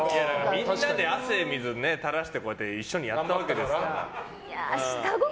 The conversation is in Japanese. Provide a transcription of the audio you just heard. みんなで汗水たらして一緒にやったわけですから。